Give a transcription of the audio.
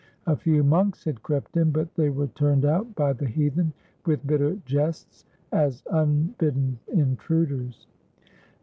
A few monks had crept in, but they were turned out by the heathen with bitter jests, as unbidden intruders.